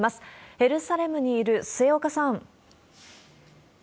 エルサレムにいる末岡さん。